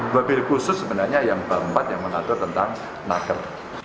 mobil khusus sebenarnya yang keempat yang mengatur tentang nager